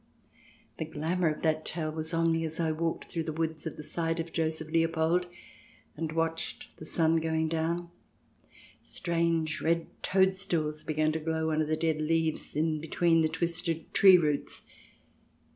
The glamour of that tale was on me as I walked through the woods at the side of Joseph Leopold, and watched the sun going down. Strange red toadstools began to glow under the dead leaves in between the twisted tree roots.